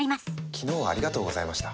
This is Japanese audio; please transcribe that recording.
昨日はありがとうございました。